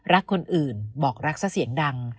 รักคนอื่นบอกรักซะเสียงดัง